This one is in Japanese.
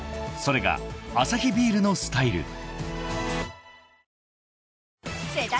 ［それがアサヒビールのスタイル］